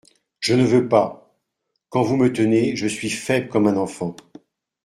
Je ne veux pas … Quand vous me tenez, je suis faible comme un enfant.